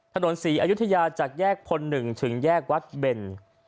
ถนนศรีอยุธยาจากแยกพลหนึ่งถึงแยกวัดเบล